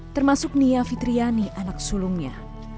termasuk nia fitriani anak sulungnya